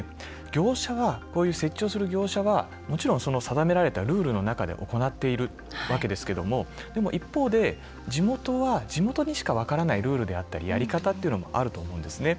こういう設置をする業者はもちろんその定められたルールの中で行ってるわけですけどもでも一方で、地元は地元にしか分からないルールであったりやり方っていうのもあると思うんですね。